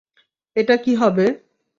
এটা কি হবে?